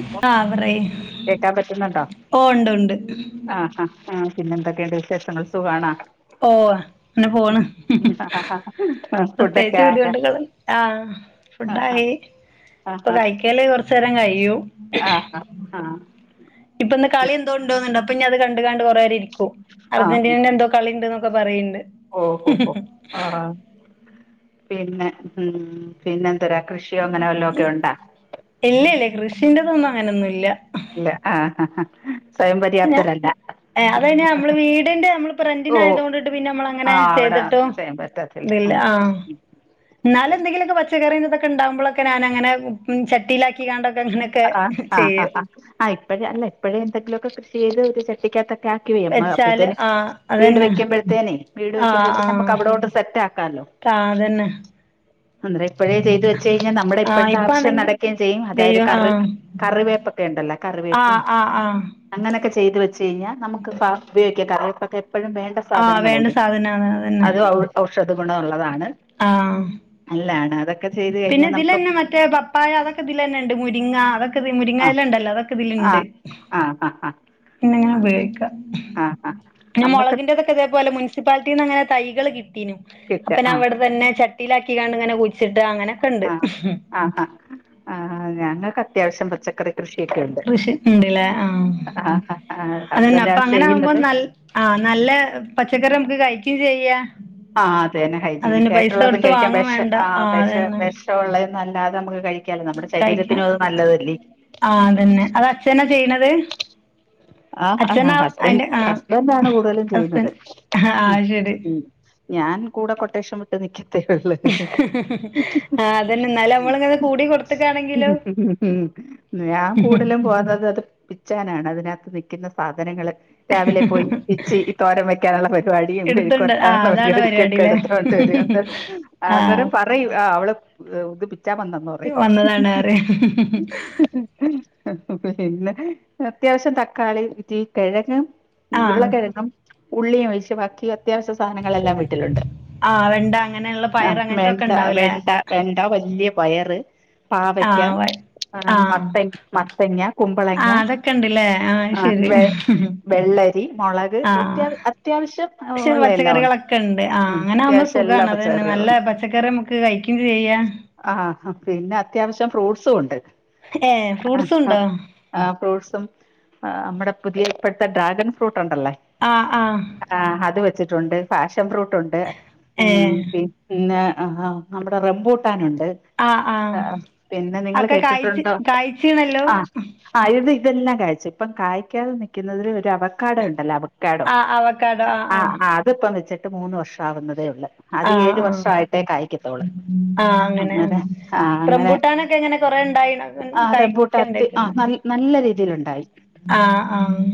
ഇപ്പൊ ആ പറയ് കേക്കാൻ പറ്റുന്നുണ്ടോ ഓ ഉണ്ട് ഉണ്ട് ആഹ് ആഹ് ആഹ് പിന്നെ എന്തൊക്കെണ്ട് വിശേഷങ്ങൾ സുഖാണാ ഓഹ് ഇങ്ങനെ പോണ് ഫുഡൊക്കെ പ്രത്യേകിച്ച് ആയോ ബുദ്ധിമുട്ട്കള് ആഹ് ആഹ് ഫുഡായി ആഹ് ഇപ്പ ആഹ് കഴിക്കല് കൊറച്ച് ച്ച് നേരം കയ്യും ആഹ് ആഹ് ഇപ്പൊന്ന് കളി എന്തോണ്ടോന്നുണ്ട് അപ്പ ഇനി അത് കണ്ട് കണ്ട് കൊറേരം ഇരിക്കും അർജന്റീനേടെ എന്തോ കളി ഇണ്ട്ന്നൊക്കെ പറയിണ്ട് ഓഹൊ ഹോ ആഹ് പിന്നെ ഉം പിന്നെന്തരാ കൃഷിയോ അങ്ങനെ വല്ലോ ഒക്കെ ഒണ്ടാ ഇല്ല ഇല്ല കൃഷിന്റെതൊന്നും അങ്ങനൊന്നുല്ല ഇല്ല ആഹ് ആഹ് സ്വയം പര്യാപ്തരല്ല ഏഹ് അതാ അയിന് നമ്മള് വീടിന്റെ നമ്മള് ഓ പ്രണ്ടിന് ആയതുകൊണ്ടിട്ട് പിന്ന നമ്മളങ്ങനെ ചെയ്തിട്ടും ഇല്ല അഹ് ഇതില്ല ഉം ആ എന്നാലും എന്തെങ്കിലൊക്കെ പച്ചക്കറി ഇതൊക്കെ ഉണ്ടാവുമ്പളക്കെ ഞാനങ്ങനെ ചട്ടിയിലാക്കിങ്ങാണ്ടൊക്കെ അങ്ങനെ ക്കെ ആഹ് ആഹ് ചെയ്യും ആഹ് ആഹ് ആഹ് ഇപ്പഴ് അല്ല ഇപ്പഴേ എന്തങ്കിലുവൊക്കെ കൃഷി ചെയ്ത് [unintelligible] ട്ടിക്കാത്തൊക്കെ ആക്കി വെയ് [unintelligible] വെച്ചാല് അപ്പഴ്ത്തെന് ആഹ് വീട് അതന്നെ വെക്കുമ്പഴ്ത്തേനെ വീട് ആഹ് വെക്കുമ്പഴ്ത്തേ ആഹ് നമുക്ക് അവിടോട്ട്‌ സെറ്റ് ആക്കാല്ലോ താ തന്നെ അന്നെരം ഇപ്പഴേ ചെയ്തു വച്ച കഴിഞ്ഞാ നമ്മുടെ ആഹ് ഇപ്പഴത്തെ ആവശ്യം ഇപ്പാണെങ്കി നടക്കേം ചെയ്യും അതായത് ദൈവം കറ് ആഹ് കറിവേപ്പക്ക ഇണ്ടല്ലാ കറിവേ ആഹ് ആഹ് ആഹ് അങ്ങനക്കെ ചെയ്ത് വെച്ച് കഴിഞ്ഞാ നമുക്ക് പാ ഉപയോഗിക്കാം കറിവേപ്പൊക്കെ എപ്പഴും വേണ്ട ആഹ് വേണ്ട സാധനങ്ങളല്ലേ സാധനാണ് അതന്നെ അത് ഔ ഔഷധ ഗുണം ഒള്ളതാണ് ആഹ് നല്ലാണ് അതൊക്കെ ചെയ്തു പിന്നെ കഴിഞ്ഞാ നമുക്ക് ഇതിലന്നെ മറ്റേ പപ്പായ അത‌ക്കിതിലന്നെ ഇണ്ട് മുരിങ്ങ അതൊക്കെ ഇതി ആഹ് മുരിങ്ങയില ഇണ്ടല്ലോ അത ആഹ് ആഹ് ഹ ഹ പിന്നങ്ങനെ ഉപയോഗിക്ക പിന്ന നമുക്ക് മൊളകിന്റെതൊക്ക ഇതേപോലെ മുൻ സിപ്പാലിറ്റീന്നങ്ങനെ തൈകള് കിട്ടീനു കിട്ട അപ്പന ആഹ് അവിടെ തന്നെ ചട്ടിയിലാക്കിങ്ങാണ്ടിങ്ങനെ കു ഴ്ച്ചിട്ട് അങ്ങനെക്കെണ്ട് ആഹ് ആഹ് ഹാ ആഹ് ഞങ്ങക്ക് അത്യാവശ്യം പച്ചക്കറി കൃഷിയൊക്കെ ഒണ്ട് കൃഷി ഉണ്ട്ല്ലേ ആഹ് ആഹ് ആഹ് അതന്നെ അപ്പൊ ഹസ്ബെന്റാണ് അങ്ങനെ ആകുമ്പോ ചെയ്യുന്നത് നൽ ആഹ് നല്ല പച്ചക്കറി നമുക്ക് കഴിക്കും ചെയ്യാ ആഹ് അതന്നെ അതന്നെ പൈസ ഹൈജീനിക്കായിട്ടുള്ളതും കൊടുത്ത് കഴിക്കാൻ വാങ്ങും വെഷ വേണ്ട ആഹ് വെഷ അതന്നെ വെ ഷൊള്ളതൊന്നും അല്ലാതെ നമ്മക്ക് കഴിക്കാലോ നമ്മുടെ കഴിക്കാം ശരീരത്തിനും അത് നല്ലതല്ലീ ആഹ് അതന്നെ അതച്ഛനാ ചെയ്യണത് ആഹ് അഹ് ഹാ അച്ഛനാ ഹസ്ബന്റ് അയിന്റെ ആഹ് ഹസ്ബന്റാണ് കൂടുതലും ഹസ്ബൻ ചെയ്യുന്നത് അഹ് ആഹ് ശരി ഉം ഞാൻ കൂടെ കൊട്ടേഷൻവി ട്ട് നിക്കത്തെ ഒള്ള് ആഹ് അതന്നെ എന്നാലും നമ്മളിങ്ങനെ കൂടി കൊടുത്തക്കാണെങ്കിലോ ഞാൻ കൂടുതലും പോന്നത് അത് പിച്ചാനാണ് അതിനാത്ത് നിക്കുന്ന സാധനങ്ങള് രാവിലെ പോയി പിച്ചി തോരൻ വെയ്ക്കാനുള്ള പരിപാടിയും എടുത്തുണ്ട് ആ മെഴുക്കുപുരട്ടാനുള്ള അതാണ് പരിപാടിക്കൊക്കെ പരിപാടില്ലേ എടുത്തു കൊണ്ട് വരും എന്ന ആഹ് ആ അന്നേരം പറയും ആഹ് അവള് ഇത് പിച്ചാൻ വന്നന്ന് പറയും വന്നതാണ് അറിയ പിന്നെ അത്യാവശ്യം തക്കാളി രി കെഴങ്ങ് ആ ഉരുളക്കെഴങ്ങും, ഉള്ളിയും ഒഴിച്ച് ബാക്കി അത്യാവശ്യം സാനങ്ങളെല്ലാം വീട്ടിലുണ്ട് ആ വെണ്ട അങ്ങനെയുള്ള പയർ ആഹ് അങ്ങനത്തെ ഒക്കെ വെണ്ട ഉണ്ടാവില്ലേ വെണ്ട വെണ്ടാ വെല്ല്യ പയറ് ആ പാവയ്ക്ക വ ആഹ് ആ മത്തൻ മത്തങ്ങ കുമ്പളങ്ങ ക്കെണ്ടില്ലേ ആഹ് ആ ശരി വെ വെള്ളരി, മൊള ക് ആ ഒത്യാവ അത്യാവശ്യം പക്ഷെ ഒള്ള എല്ലാവൊണ്ട് പച്ചക്കറികളൊക്കെ ഉണ്ട് ആ ഉം അങ്ങനെ ആകുമ്പോ അത്യാവശ്യം എല്ലാ സുഖാണ് അത് തന്നെ നല്ല പച്ചറികളുവൊണ്ട് പച്ചക്കറി നമുക്ക് കഴിക്കും ചെയ്യാം ആഹ് ഹ പിന്നെ അത്യാവശ്യം ഫ്രൂട്ട്സുവൊണ്ട് ഏഹ് ഫ്രൂട്ട്സുണ്ടോ? ആഹ് ഫ്രൂട്ട്സും ആഹ് നമ്മടെ പുതിയ ഇപ്പത്തെ ഡ്രാഗൺ ഫ്രൂട്ട് ഒണ്ടല്ലോ ആഹ് ആഹ് ആഹ് അത് വെച്ചിട്ടുണ്ട് ഫാഷൻ ഫ്രൂട്ട്ണ്ട് ഏ ഉം പി പിന്നെ ഹ ഹാ നമ്മുടെ റെംമ്പൂട്ടാനുണ്ട് ആ ആ ആഹ് പിന്നെ നിങ്ങള് ഒക്കെ കായ്ച്ച് കേട്ടിട്ടുണ്ടോ കായ്ച്ചീണല്ലോ ആഹ് ആയത് ഇതെല്ലാം കായച്ചു ഇപ്പം കായ് ക്കാതെ നിക്കുന്നതില് ഒരു അവകാടണ്ടല്ലോ അവ കേടോ ആ അവക്കാടോ ആ ആഹ് ആ ആഹ് അത്പ്പോ വെച് ട്ട് മൂന്ന് വർഷം ആവുന്നതേള്ളു അത് ആഹ് ഏഴു ആഹ് വർഷായിട്ടേ കായ്‌ക്കത്തോള്ളു അങ്ങനെ ആഹ് അങ്ങനെ റംബൂട്ടാനൊക്കെ എങ്ങനെ കൊറെ ഉണ്ടായിണോ ആഹ് റെമ്പുട്ടാ, അത്തി കഴിക്കണ്ടക്കണ് ആഹ് ന നല്ല രീതിയിലുണ്ടായി ആഹ്. ആഹ്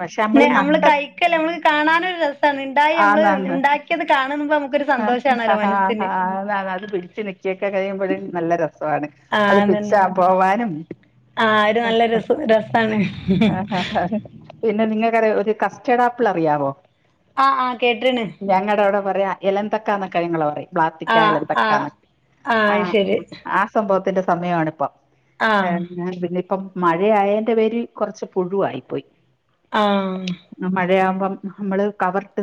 പക്ഷെ നമ്മള് ന്നെ അമ്മള് നട്ട കയിക്കല്ല മ്മക്ക് കാണാനൊരു രസാണ് ഇണ്ടായി മ്മള് ആന്നാന്ന് ണ്ടാക്കി കാണുമ്പം മ്ക്കൊരു ആ സന്തോഷാണല്ലോ മനസ്സിന് [unintelligible] നല്ല രസാണ് അത് ആഹ് അതന്നെ പിടിച്ചാ പോവാനും ആഹ് ഒരു നല്ല രസു രസാണ് ആഹ് ഹാ ഹാ പിന്നെ നിങ്ങൾക്കറിയോ ഒരു കസ്റ്റേഡാപ്പിൾ അറിയാവോ ആഹ് ആഹ് കേട്ട്ണ് ഞങ്ങടെവിടെ പറയും ഇളംന്തക്ക ന്നൊക്കെ ങ്ങള് പറയു [unintelligible] ആഹ് ആഹ് പ്ലാത്തിക്കാലെന്തൊക്കാണ് അത് ആഹ് ശരി ആഹ് സംഭവത്തിന്റെ സമയാണിപ്പം ആഹ് ഏഹ് ത്ലിപ്പം മഴയായേന്റെ പേരിൽ കൊറച്ച് പുഴുവായി പോയി ആഹ് അഹ് മഴയാവുമ്പം മ്മള് കവറ്ട്ട്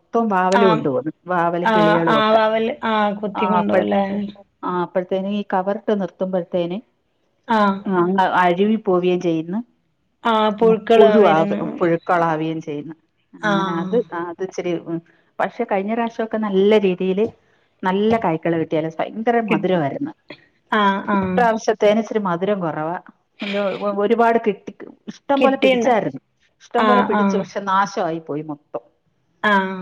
പ്പം വാവല് ആഹ് കൊണ്ടോവും വാവലും ആഹ് ആഹ് കിളിയളൊക്കെ വവല് ആഹ് കൊത്തി കൊണ്ടോവുല്ലേ ആപ്പഴ്ത്ത ആഹ് പ്പത്തേനി കവർട്ട് നിർത്തുമ്പോഴത്തേന് ആഹ് അങ് അര്വി പോവേയും ചെയ്യുന്നു ആഹ് പുഴുക്കള് [unintelligible] വരുന്നു പുഴുക്കളാവയും ചെയ്യുന്ന അങ്ങനെ ആഹ് അത് കാ ത്ചിരി ഉം പക്ഷെ കഴിഞ്ഞ പ്രാശോ ക്കെ നല്ല രീതിൽ നല്ല കായ്ക്കളെ ചെലസൈങ്കര കിട്ടി മധുരമായിരുന്നു ആഹ് ആഹ് ഇപ്രാവശ്യ തേനിച്ചിരി മധുരം കുറവാ ലോ ഒരുപാട് കിട്ടി ഇഷ്ടംപലെ കിട്ടിണ്ട പിടിച്ചായിരുന്നു ഇഷ്ടംപലെ ആഹ് പിടിച്ചു ആഹ് പക്ഷെ നാശായി പോയി മൊ ആഹ്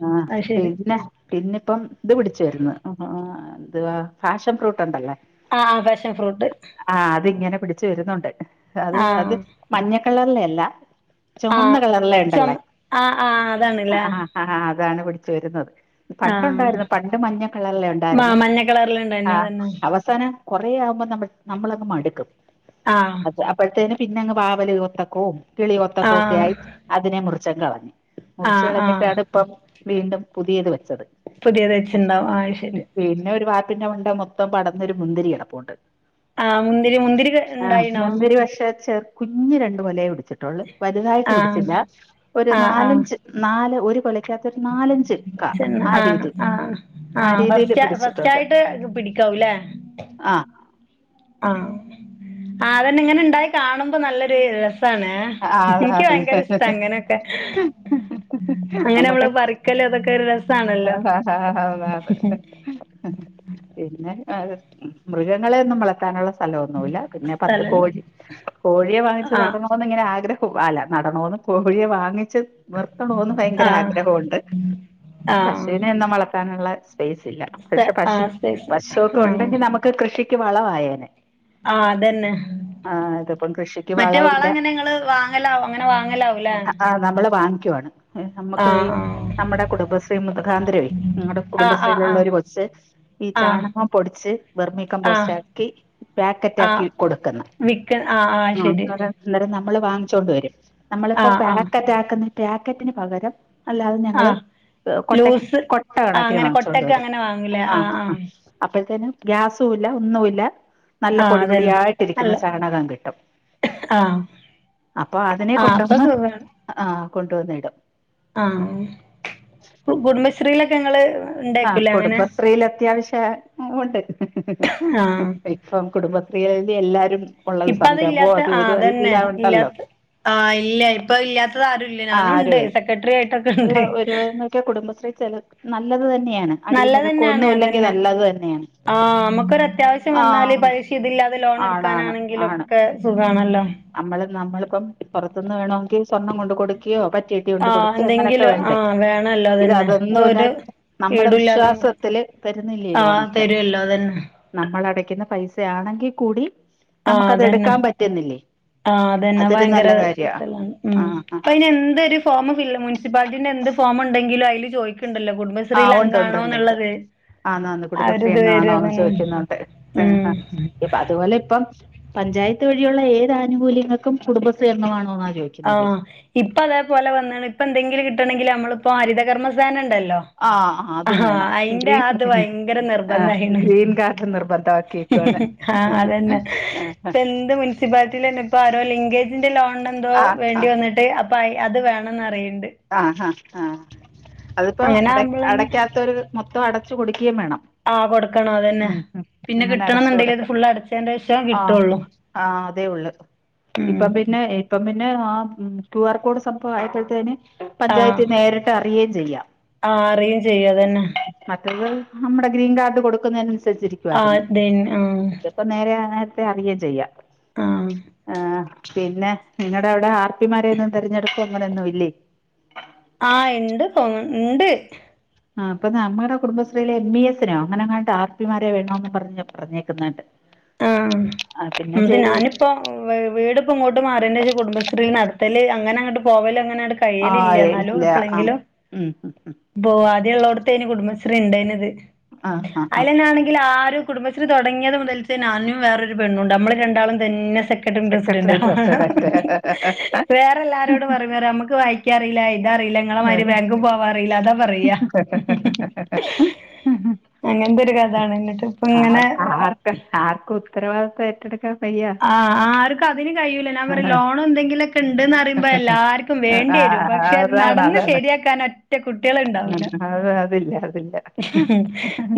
ആഹ് അത് ശരി പിന്നെ പിന്നെപ്പം ഇത് പിടിച്ചയിരെന്ന് എതുവാ ഫാഷൻ ഫ്രൂട്ട്ണ്ടല്ലേ ആഹ് ഫാഷൻ ഫ്രൂട്ട് ആഹ് അത്ങ്ങനെ പിടിച്ച് വരുന്നുണ്ട് അത് ആഹ് അത് മഞ്ഞക്കള്ളറിലെ അല്ല ചുമന്ന ആഹ് ചുമ കളറല്ലേണ്ടല്ലേ ആഹ് ആഹ് അതാണ്ല്ലേ ആഹ് ആഹ് അതാണ് പിടിച് വരുന്നത് പണ്ട ആഹ് ണ്ടായിരുന്നു പണ്ട് മഞ്ഞക്കള്ളറല്ലേ മാ ഉണ്ടായിരുന്നു മഞ്ഞ കളറിലുണ്ടായിന് ആഹ് അതന്നെ അവ തന കുറ ആവുമ്പോ നമ്മ നമ്മളങ്ങു മടുക്കും ആഹ് അപ്പഴത്തേന് പിന്നെങ്ങ് വാവല് ഒത്തക്കവും കിളി ഒത്തക്കോ ഒക്കെ ആഹ് ആയി അതിനെ മുറിച്ച ങ്ങളഞ്ഞു ആഹ് ആഹ് മുറിച്ചളഞ്ഞിട്ടാണ് ഇപ്പം വീണ്ടും പുതിയത് വെച്ചത് പുതിയത് വച്ചുണ്ടാവും ആഹ് ശരി പിന്നെ ഒരു വാപ്പിന്ന വണ്ട മൊത്തം പടന്നൊരു മുന്തിരി കടപുണ്ട് ആഹ് മുന്തിരി മുന്തിരിണ്ടായിന്നോ ചേ കുഞ്ഞ് രണ്ട് കൊലയേ പിടിച്ചിട്ടുള്ളൂ വലുതായിട്ട് ആഹ് പിടിച്ചില്ല ഒരു ആഹ് ആഹ് നാലഞ്ച് നാല് ഒരു കൊലക്കത് ഒരു നാലഞ്ചച് കാ ചെന്ന ആ ആഹ് രീതി ആഹ് ആ ആഹ് രീതിയിൽ ഫസ്റ്റ് ഫസ്റ്റ് പിടിച്ചിട്ടുണ്ട് ആയിട്ട് പിടിക്കാവൂല്ലേ ആഹ് ആഹ് ആഹ് അതന്നെ ഇങ്ങനെ ഉണ്ടായി കാണുമ്പോ നല്ലൊരു രസാണ് ആ ഇൻക്ക് ഭയങ്കര ഇഷ്ട അതാണ് അങ്ങനൊക്കെ അങ്ങനെ നമ്മള് നമ്മക്ക് പറിക്കല് അതൊക്കെ ഒരു രസാണല്ലോ അതെ അതെ. [unintelligible] പിന്നെ [unintelligible] മൃഗങ്ങളേന്നും വളർത്താനുള്ള സ്ഥ സ്ഥലൊന്നുല്ല പിന്നെ പത്ത് സ്ഥലം കോഴി കോഴിയേ വാങ്ങിച്ചത് ആ നടണോ പ്പന്നുംങ്ങനെ ആഗ്രഹും അല്ല നടന്നോന്ന് പൂവകോഴിയെ വാങ്ങിച്ച് വർത്തണോന്ന് ഭയങ്കര ആ ആഗ്രഹോണ്ട് ആ പശുവിനെ എന്നും വളർത്താനുള്ള സ്പേസില്ല സ്ഥ പക്ഷെ ആ പശു സ്പേസ് ആ പശുക്കെണ്ടെങ്കി നമക്ക് കൃഷിക്ക് വളവായേനെ ആ അതന്നെ കൃഷിക്ക് മറ്റേ വളമില്ല വളങ്ങനെങ്ങള് വാങ്ങലാവൊ അങ്ങനെ വാങ്ങലാവൊ ആ ആ നമ്മള് വാങ്ങിക്കുവാണ് എ ആ നമക്കേയ് നമ്മടെ കുടുംബശ്രീ മൃഖാന്തരെവ് നമ്മ്ടെ ആ ആ ആ കുടുംബശ്രീള്ളൊരു കൊച്ച് ഈ ആ ചാണകം പൊടിച്ച് ആ ബെർമികമ്പോസ്റ്റാക്കി ആ പാക്കറ്റാക്കി കൊടുക്ക്ന്ന് ആ അതെ ന്നേരം നമ്മള് വാങ്ങിച്ചൊണ്ട് വെരും ആ നമ്മളിപ്പോ ആ പേക്കറ്റാക്ക്ന്ന പേക്കറ്റിന് പകരം അല്ലാതെ ആ ഞങ്ങള് കൊട്ടെ ലൂസ് കൊട്ട ആ കണക്കിന് അങ്ങനെ വാങ്ങിചോണ്ട് കൊട്ടക്ക് വെരും അങ്ങനെ വാങ്ങൂലേ അ ആ അപ്പഴ്ത്തിന് ഗ്യാസൂല്ല ഒന്നൂല്ല നല്ല ആഹ് പൊടി അതന്നെ പൊടിയായിട്ടിരിക്ക്ണ ചാണകം കിട്ടും ക്ക് ആ അപ്പൊ അതിനെ കൊണ്ടൊന്ന് ആ കൊണ്ടൊന്നിടും ആ കുടുംബശ്രീയിലൊക്കെങ്ങള് ആ കുടുംബശ്രീയിലത്യാവിശ്യേ മുണ്ട് [unintelligible] ആഹ് ഇപ്പം കുടുംബശ്രീയില് എല്ലാരും ഇപ്പ അത് ഒള്ളരുസംരംഭം അതും ഇതും എല്ലാംണ്ടല്ലോ ആ ഇല്ലൃ ഇപ്പൊ ഇല്ലൃത്തത് ആരുല്ലൃ ഞാനുണ്ട് സെക്രെട്ടറി ആയിട്ടൊക്കെ ള്ള ഉണ്ട് ഒരുവരുന്നൊകെ കുടുംബശ്രീ ചെലനല്ലത് തന്നെയാണ് അടിംവഴക്കൊന്നുല്ലെങ്കിൽ നല്ലത് തന്നെയാണ് ആ മക്കൊരു അത്യാവിശ്യം വന്നാല് ആഹ് പലിശിംഇതില്ലാതെ ലോൺട്ക്കാനാണെങ്കിലൊക്കെ സുഖാണല്ലോ അമ്മള് നമ്മളിപ്പം പൊറത്ത്ന്ന് വേണൊങ്കി സ്വർണ്ണം കൊണ്ട് കൊടുകയോ പറ്റേ തി യൊണ്ട് ആഹ് കൊടുക്കേ അങ്ങനെയൊക്കെ എന്തെങ്കിലും വേണ്ടേ ആഹ് വേണല്ലോ ഇത് അതന്നെ ഇതൊരു അതൊന്നുല്ലാതെ നമ്മടെ ഈടുല്ലാതെ നമുക്ക് വിശ്വാസത്തില് തെരുന്നില്യേ ആഹ് ലോണൊക്കെ തരുവല്ലോ അതന്നെ നമ്മളടയ്ക്ക്ന്ന പൈസയാണെങ്കികൂടി നമുക്ക് അത് എടുക്കാൻ പറ്റുന്നില്ലേ ആ അതന്നെ അതൊരു ഭയങ്കര നല്ല കാര്യാ കിട്ടലാണ് ആ മ് ആ പ്പയിന് എന്ത് രു ഫോമ് ഫില്ല് മുനിസിപ്പാലിറ്റിന്റെ എന്ത് ഫോമ്ണ്ടെങ്കിലും അയില് ചൊയിക്ക്ണ്ടല്ലോ കുടും ബശ്രീല് അംഗാണോന്ന്ള്ളത് ആ ന്നോ അന്ന് കുടുംബശ്രീ അംഗാണോ ന്ന് ചോയ്ക്ക്ന്ന്ണ്ട് ഏ ഉം ആ ഇപ്പ അതുപോലെ ഇപ്പം പഞ്ചായത്ത് വഴിയുള്ള ഏതാനുകൂല്യങ്ങക്കും കുടുംബശ്രീഅംഗമാണോന്ന ചോ ആ ഇപ്പ അതേപോലെ വന്ന്ണ് ഇപ്പ എന്തെങ്കിലും കിട്ടണെങ്കില് നമ്മളിപ്പോ ഹരിതകർമ്മ സേനണ്ടല്ലോ ആ ആതും വേണം ഗ്രീൻ ഭയങ്കര ഏ ഗ്രീൻ കാർഡും നിർബന്ധാക്കി [unintelligible] ആ അതന്നെ ഇപ്പെന്ത് മി മുൻസിപ്പാലിറ്റിലെന്നെ ഇപ്പൊ ആരോ ലിങ്കേജിന്റെ ലോൺനെന്തോ ആ ആ വേണ്ടി വന്നിട്ട് അപ്പ അയ് അത് വേണംന്നറിയിണ്ട് ആ ആ ആ അതിപ്പോ അങ്ങനെ അട ആവുമ്പളന്നെ അടക്കാതൊരു മൊത്തം അടച്ചു കൊട്ക്കേയും വേണം ആ കൊടുക്കണം അതന്നെ ഉം ഉം പിന്നെ അങ്ങനെ അടച്ചു കിട്ടണന്നുണ്ടെങ്കിഅത് ഫുള്ള് അടച്ചേന്റെശം കിട്ടൊള്ളൂ ആ അതേ ഒള്ള് ഇപ്പം പിന്നെ ഇപ്പം പിന്നെ ആ ക്യുആർ കോഡ് സംഭവം ആയപതേന് ആ പഞ്ചായത്ത് നേരിട്ട് അറിയേയും ചെയ്യാം ആ അറിയും ചെയ്യും അതന്നെ മറ്റെത് നമ്മടെ ഗ്രീൻ കാർഡ് കൊടുക്കുന്നതിനനുസരിച്ചിരി ആ ദെൻ ആ പ്പൊ നേരെ അനേരത്തെ അറിയേം ചെയ്യാം ആ ആ പിന്നെ നിങ്ങടെ അവടെ ആർപ്പിമാരേന്നും തെരഞ്ഞെടുപ്പ് അങ്ങനെന്നും ഇല്ലേ ആ ഇണ്ട് തോന്ന് ഇണ്ട് ആ പ്പൊ നാമ്പറ കുടുംബശ്രീലെ എമ്മീഎസ്സിനോ അങ്ങനെ അങ്ങാട്ട് ആർപിമാരെ വേണോന്ന് പറഞ്ഞു പറഞ്ഞേക്ക്ന്നുണ്ട് [inaudible] ആ ന്ത്‌ ഞാന് ഇപ്പോ വീട് ഇപ്പം ഇങ്ങോട്ട് മാറിയേന്റേഷം കുടുംബശ്രീ നടത്തല് അങ്ങനെ അങ്ങട്ട് പോവല് അങ്ങനെണ്ട് കയ്യലില്ല ആഹ് ന്നാലും ഇല്ല ആഹ് എപ്പളങ്കിലും ഉം ഉം ഉം ബോ ആദ്യള്ളോടതേനി കുടുംബശ്രീ ഇണ്ടേനത് ആഹ് ആഹ് അയിലന്നാണെങ്കിലാരും കുടുംബശ്രീ തുടങ്ങിയത് മുതൽച്ചന്നേ ഞാനും വേറൊരു പെണ്ണുണ്ട് അമ്മള് രണ്ടാളും തന്നെ സെ ക്കടണ്ടസിഡന്റ സെക്രട്ടറി പ്രസിഡന്റ് വേറെല്ലാരോട പറിന്നേരം അമ്മക്ക് വായി ക്ക്യാ അറിയില്ല എഴ്താഅറിയില്ല ങ്ങളെമാരി ബേങ്ക് പോവാറയില്ല അതാ പറയാ അങ്ങൻത്തെരു കഥാണ് ന്നിട്ട് ഇപ്പ ഇങ്ങനെ ആർ ആർക്ക് ആർക്കും ഉത്തരവാദിതം ഏറ്റെടുക്ക ആഹ് ആർക്കു അതിന് കഴിയൂല ഞാൻ പറയാ ലോണോ എന്തെങ്കിലൊക്കെ ഇണ്ട്ന്നറിയുമ്പോ എല്ലാര്ക്കും ആ വേണ്ടിരും പക്ഷെ അ അതാണ് നടന്ന് അതാണ് ശരിയാക്കാനൊറ്റ കുട്ട്യേള് ഉണ്ടാവൂല അത്വരേ അതില്ല അതില്ല മ്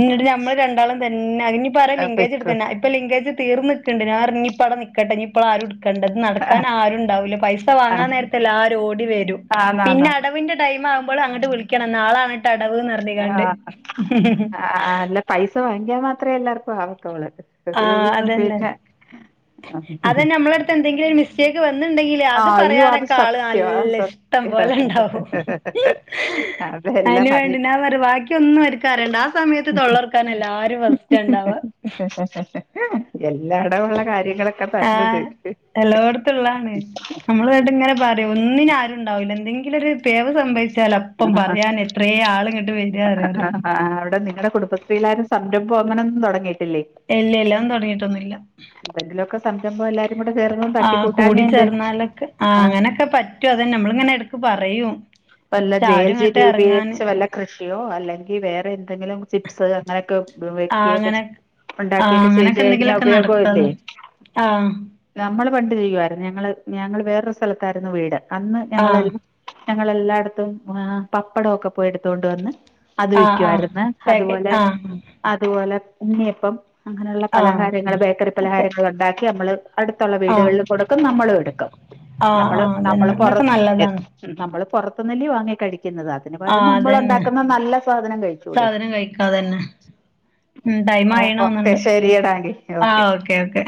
ന്നിട്ട് നമ്മൾ രണ്ടാളും തന്നെ അയിഞ്ഞിപ്പം ആര ലിങ്കേജ് പെക്ക് ഇട്ക്കണ്ടേ ഇപ്പം ലിംഗേജ് തീർന്ന്ക്ക്ണ്ട് ഞാപറഞ് ഞ്ഞിപ്പവ്ടെ നിക്കട്ടെ ഞ്ഞിപ്പളാരും ഇട്ക്കണ്ട നടക്കാനാരുണ്ടാവൂല പൈസ വാങ്ങാ നേരത്തെല്ലാരോടി വെരും പിന്നെ ആന്നാന്ന് അടവിന്റെ ടൈമാവു മ്പളു അങ്ങട്ട് വിളിക്കണം നാളാണ് ട്ടടവ്ന്നറിഞ്ഞീങ്ങാണ്ട് അഅഅആഹ് അല്ല പൈസ വാങ്ങിക്കാൻ മാത്രേ എല്ലാർക്കു ആവത്തോള് ഇപ്പോ ആഹ് അതന്നെ പിന്നെ ഏഴുസം [unintelligible] അതന്നെ അമ്മള എട്ത്ത് എന്തെങ്കിലും ഒര് മി സ്റ്റേക്ക് വന്നിണ്ടെങ്കില് ആ അത് അയ്യോ അത് പറയാനൊക്കെ ആള് സത്യം അത് നല്ല സത്യം ഇഷ്ടം പോലെ ഇണ്ടാവും അതെല്ലാം അയിനുവേണ്ടി മന നാ പറ ബാക്കിയൊന്നും ഓര്ക്കറിയണ്ട ആ സമയത്ത് തൊള്ളർക്കാനല്ലാരും ഫസ് റ്റണ്ടാവ എല്ലായിടെ ഉള്ള കാര്യങ്ങളൊക്കെ തരുന്നത് ആഹ് എല്ലോടത്തുള്ളാണ് നമ്മള് കേട്ട് ഇങ്ങനെ പറിം ഒന്നിനാരും ഉണ്ടാവൂല എന്തെങ്കിലൊര് പിഴവ് സംഭവിച്ചാലപ്പം പറയാന് എത്രേ ആള്ങ്ങട്ട് വരറിയാറ് ആഹ് അവ്ടെ നിങ്ങടെ കുടുംബശ്രീലാരും സംരംഭം അങ്ങനൊന്നു തുടങ്ങിയിട്ടില്ലേ ഇല്ല ഇല്ല അഹൊന്ന് തുടങ്ങിട്ടൊന്നുയില്ല പെന്റിലൊക്കെ സംരംഭം എല്ലാ ഇങ്ങോട്ട് കേറ്ണു ആഹ് കൂടിച്ചേർന്നാലൊക്കെ ആഹ് അങ്ങനൊക്കെ പറ്റും അതന്നെ അമ്മളിങ്ങനെ എടക്ക് പറയും വല്ല പക്ഷെ ജെ ആരും എൽ ജി ഇങ്ങട്ട് ഇറങ്ങാന് രൂപീകരിച്ച വല്ല കൃഷിയോ അല്ലെങ്കിവേറെ ന്തെങ്കിലും. ചിപ്സ് അങ്ങനൊ ക്കെ ആഹ് വെക്കിയേ ക്കെ അങ്ങനെ ആഹ് ഉണ്ടാക്കിയൊക്കെ ചെയ്ത ഴിഞ്ഞാ ഉപയോഗവല്ലേ? ആ നമ്മള് പണ്ട് ചെയ്യുവായിരുന്നു ഞങ്ങള് ഞങ്ങള് വേറൊരു സ്ഥലത്തായിരുന്നു വീട് അന്ന് ആഹ് ഞങ്ങളെല്ലാം എല്ലായിടത്തും പപ്പാടൊക്കെ പോയി എടുതൊണ്ടുവന്നു അത് ആഹ് ആഹ് വിക്കുവായിരുന്നേ പാക്കറ്റ് അതുപോലെ ആഹ് അതുപോലെ ഉണ്ണിയപ്പം അങ്ങനെയുള്ള ആഹ് പലഹാരങ്ങൾ ബേക്കറി ഒക്കെ പലഹാരങ്ങളു ണ്ടാക്കി നമ്മള് അടുതൊള്ള ള്ള ആഹ് വീടുകളിലും കൊടുക്കും നമ്മലോടുക്കും ആഹ് നമ്മള് ആഹ് നമ്മള് അതന്നെ പുറ അതൊക്കെ നല്ലതാണ് നമ്മള് പൊറത്തുന്നല്ലേ വാങ്ങി കഴിക്കുന്നത്. അതിന് പരം ആഹ് അതന്നെ നമ്മളുണ്ടാകുന്ന നല്ല സാധനം കഴിച്ചൂടെ? സാധനം കഴിക്കാതന്നെ ഉം ടൈം ഓ ഓക്കെ ശെരിടാ ങ്കി ഒക്കെ ക്കെ ഒക്കെ